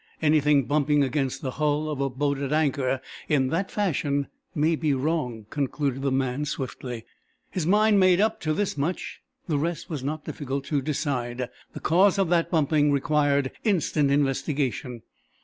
"Anything bumping against the bull of a boat at anchor, in that fashion may be wrong," concluded the man, swiftly. His mind made up to this much, the rest was not difficult to decide. The cause of that bumping required instant investigation.